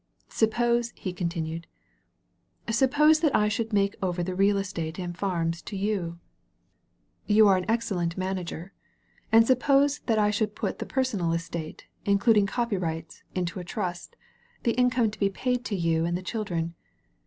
*' Suppose, he continued, '* suppose that I should make over the real estate and farms to you — 218 a •c a THE PRIMITIVE you are an excellent manager. And suppose that I should put the personal estate, including copy rights, into a trust, the income to be paid to you and the children.